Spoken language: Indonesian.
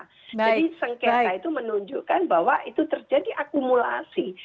jadi sengketa itu menunjukkan bahwa itu terjadi akumulasi